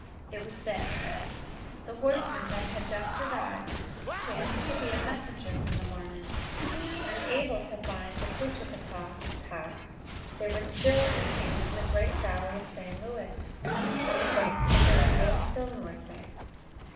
It was this: the horseman that had just arrived, chanced to be a messenger from the Mormons. Unable to find the Coochetopa Pass, they were still encamped in the great valley of San Luis, on the banks of the Rio del Norte.